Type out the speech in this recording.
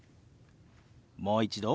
もう一度。